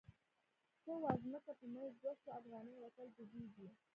ته وا ځمکه په منځ دوه شوه، افغانی وطن ډوبیږی